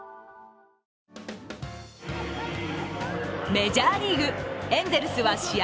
メジャーリーグ、エンゼルスは試合